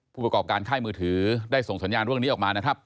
ผู้ประกอบการค่ายมือถือได้ส่งสัญญาณเรื่องนี้ออกมานะครับ